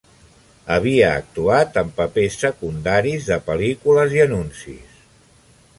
Havia actuat en papers secundaris de pel·lícules i anuncis.